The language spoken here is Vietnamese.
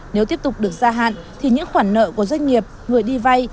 nếu tiếp tục được gia hạn thì những khoản nợ của doanh nghiệp người đi vay